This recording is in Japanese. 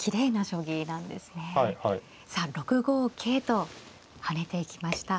さあ６五桂と跳ねていきました。